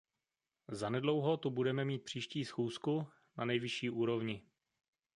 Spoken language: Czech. Zanedlouho tu budeme mít příští schůzku na nejvyšší úrovni.